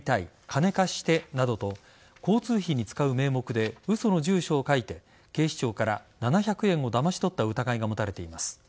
金貸してなどと交通費に使う名目で嘘の住所を書いて警視庁から７００円をだまし取った疑いが持たれています。